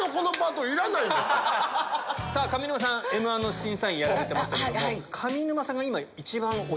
さぁ上沼さん『Ｍ−１』の審査員やられてましたけども。